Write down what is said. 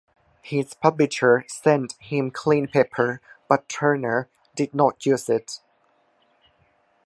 His publisher sent him clean paper but Turner did not use it.